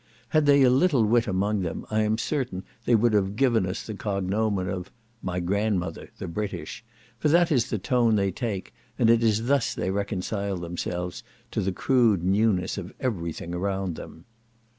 Had they a little wit among them, I am certain they would have given us the cognomen of "My Grandmother, the British," for that is the tone they take, and it is thus they reconcile themselves to the crude newness of every thing around them.